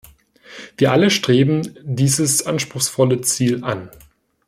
Wir alle streben dieses anspruchsvolle Ziel an.